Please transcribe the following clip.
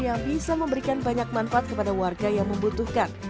yang bisa memberikan banyak manfaat kepada warga yang membutuhkan